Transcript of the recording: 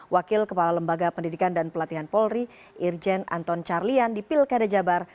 wakil kepala lembaga pendidikan dan pelatihan polri irjen anton carlian di pilkada jabar